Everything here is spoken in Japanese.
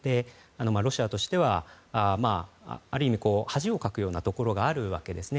ロシアとしては、ある意味恥をかくようなところがあるわけですね。